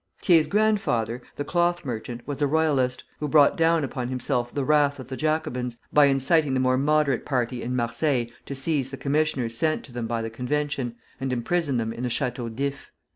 Thiers' grandfather, the cloth merchant, was a Royalist, who brought down upon himself the wrath of the Jacobins by inciting the more moderate party in Marseilles to seize the commissioners sent to them by the Convention, and imprison them in the Château d'If.